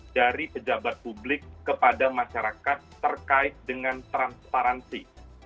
dari pejabat publik kepada masyarakat terkait dengan transparansi